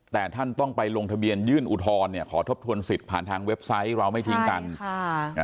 แต่ท่านต้องไปลงทะเบียนยื่นอุทธรณ์เนี่ยขอทบทวนสิทธิ์ผ่านทางเว็บไซต์เราไม่ทิ้งกัน